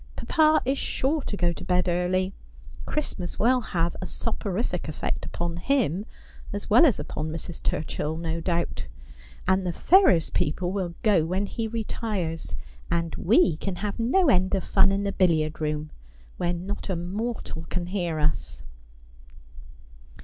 Papa is sure to go to bed early. Christmas will have a soporific effect upon him, as well as upon Mrs. Turchill, no doubt ; and the Ferrers people will go when he retires ; and we can have no end of fun in the billiard room, where not a mortal can hear us.'